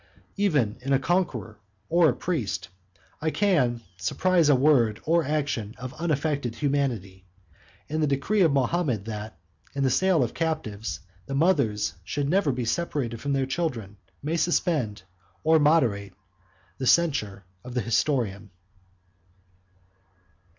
Even in a conqueror or a priest, I can surprise a word or action of unaffected humanity; and the decree of Mahomet, that, in the sale of captives, the mothers should never be separated from their children, may suspend, or moderate, the censure of the historian.